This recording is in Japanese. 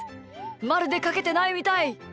まるでかけてないみたい。